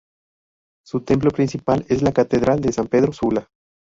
Su templo principal es la Catedral de San Pedro Sula.